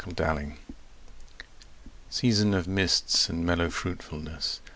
To Autumn SEASON of mists and mellow fruitfulness!